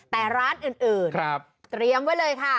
แต่ร้านอื่นเตรียมไว้เลยค่ะ